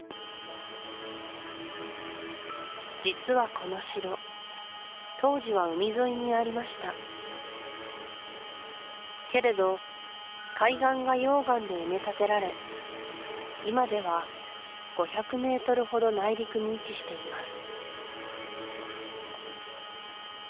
実はこの城当時は海沿いにありましたけれど海岸が溶岩で埋め立てられ今では５００ｍほど内陸に位置しています